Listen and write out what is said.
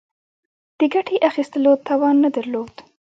د ګټې اخیستلو توان نه درلود.